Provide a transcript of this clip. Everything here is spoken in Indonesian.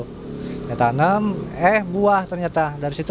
dia tanam eh buah ternyata